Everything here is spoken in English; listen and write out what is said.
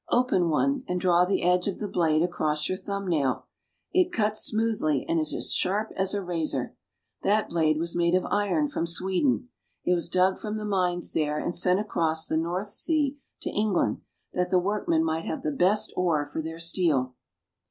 Open one and draw the edge of the blade across your thumb nail. It cuts smoothly and is as sharp as a razor. That blade was made of iron from Sweden ; it was dug from the mines there and sent across the North Sea to England, that the workmen might have the best ore for their steel.